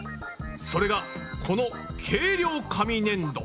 それがこの軽量紙ねんど。